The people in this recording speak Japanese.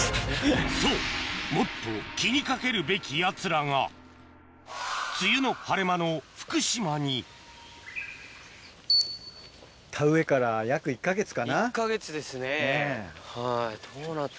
そうもっと気に掛けるべきやつらが梅雨の晴れ間の福島に１か月ですねはい。